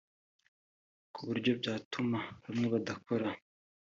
ku buryo byatuma bamwe badakora